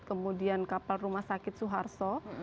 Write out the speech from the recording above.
kemudian kapal rumah sakit suharto